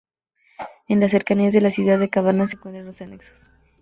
En las cercanías de la ciudad de Cabana se encuentran los anexos.